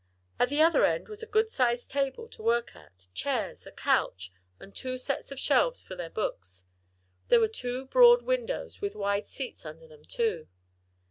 At the other end was a good sized table to work at, chairs, a couch, and two sets of shelves for their books. There were two broad windows with wide seats under them, too.